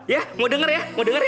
ya mau denger ya mau dengar ya